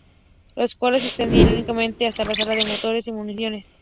Los cuales, se extendían únicamente hasta la sala de motores y municiones.